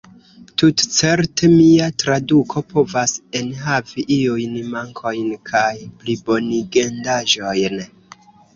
Tutcerte, mia traduko povas enhavi iujn mankojn kaj plibonigendaĵojn.